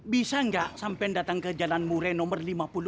bisa enggak sampai datang ke jalan mureh nomor lima puluh empat